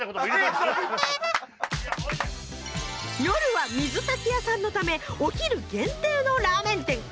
夜は水炊き屋さんのためお昼限定のラーメン店。